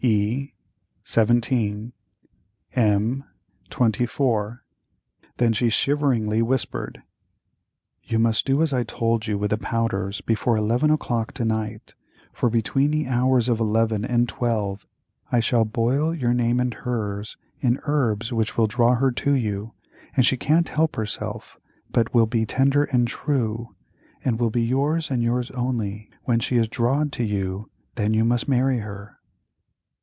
E., 17; M., 24. Then she shiveringly whispered: "You must do as I told you with the powders before eleven o'clock to night, for between the hours of eleven and twelve I shall boil your name and hers in herbs which will draw her to you, and she can't help herself but will be tender and true, and will be yours and yours only. When she is drawed to you then you must marry her."